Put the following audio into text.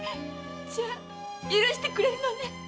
じゃあ許してくれるのね？